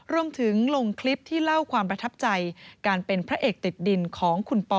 ลงคลิปที่เล่าความประทับใจการเป็นพระเอกติดดินของคุณปอ